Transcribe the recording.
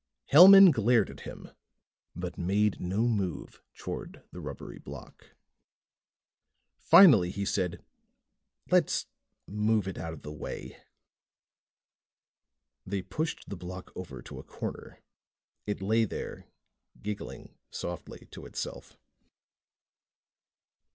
Hellman glared at him, but made no move toward the rubbery block. Finally he said, "Let's move it out of the way." They pushed the block over to a corner. It lay there giggling softly to itself.